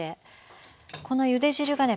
このゆで汁がね